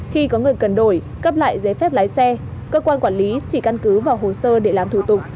khi có người cần đổi cấp lại giấy phép lái xe cơ quan quản lý chỉ căn cứ vào hồ sơ để làm thủ tục